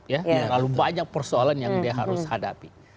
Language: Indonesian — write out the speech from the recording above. ya terlalu banyak persoalan yang dia harus hadapi